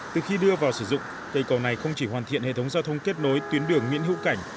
từ khi đưa vào sử dụng cây cầu này không chỉ hoàn thiện hệ thống giao thông kết nối tuyến đường nguyễn hữu cảnh